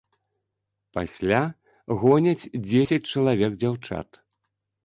Пасля гоняць дзесяць чалавек дзяўчат.